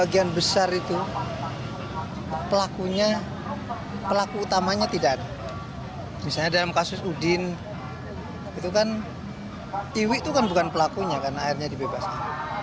itu kan iwi itu kan bukan pelakunya karena akhirnya dibebaskan